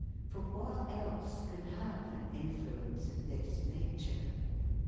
For what else can have an influence of this nature?